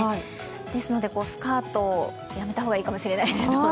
ですのでスカートやめた方がいいかもしれないです。